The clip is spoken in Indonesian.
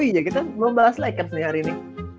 oh iya kita mau balas lakers nih hari ini